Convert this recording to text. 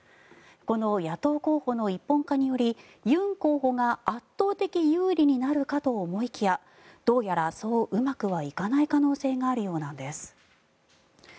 この野党候補の一本化によりユン候補が圧倒的有利になるかと思いきやどうやら、そううまくはいかない可能性があるようなんです。